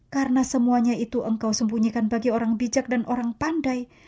karena semuanya itu engkau sembunyikan bagi orang bijak dan orang pandai